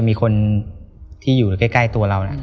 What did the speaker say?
มีคนที่อยู่ใกล้ตัวเรา